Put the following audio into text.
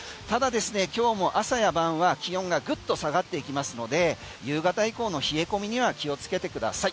今日も朝や晩は気温がぐっと下がっていきますので夕方以降の冷え込みには気をつけてください。